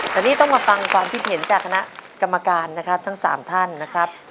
ตอนนี้ต้องมาฟังความคิดเห็นจากคณะกรรมการนะครับทั้ง๓ท่านนะครับ